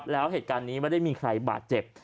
แล้วเหตุการณ์นี้ไม่ได้มีใครบาดเจ็บ